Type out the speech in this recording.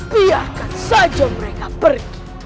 biarkan saja mereka pergi